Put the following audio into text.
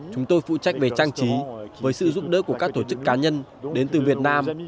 chúng tôi phụ trách về trang trí với sự giúp đỡ của các tổ chức cá nhân đến từ việt nam